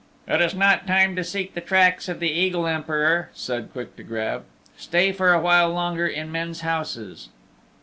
"It is not the time to seek the tracks of the Eagle Emperor," said Quick to Grab. "Stay for a while longer in men's houses."